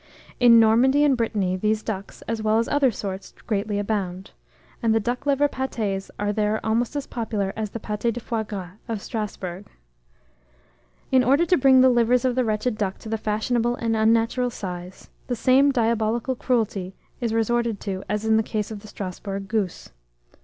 In Normandy and Brittany these ducks, as well as other sorts, greatly abound; and the "duck liver pâtés" are there almost as popular as the pâté de foie gras of Strasburg. In order to bring the livers of the wretched duck to the fashionable and unnatural size, the same diabolical cruelty is resorted to as in the case of the Strasburg goose.